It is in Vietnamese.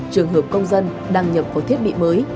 trường hợp công dân đăng nhập vào thiết bị mới